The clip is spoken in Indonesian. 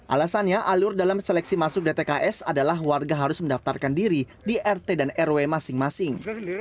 alasannya alur dalam seleksi masuk dtks adalah warga harus mendaftarkan diri di rt dan rw masing masing